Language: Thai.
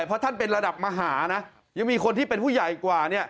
เพราะท่านเป็นระดับมหานะยังมีคนที่เป็นผู้ใหญ่กว่าเนี่ย